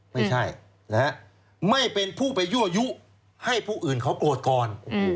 ไม่ใช่ไม่เป็นผู้ไปยั่วยุให้ผู้อื่นเขาโกรธก่อน